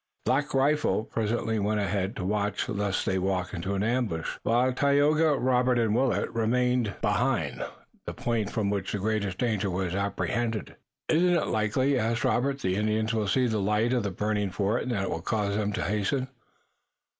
Black Rifle presently went ahead to watch lest they walk into an ambush, while Tayoga, Robert and Willet remained behind, the point from which the greatest danger was apprehended. "Isn't it likely," asked Robert, "that the Indians will see the light of the burning fort, and that it will cause them to hasten?"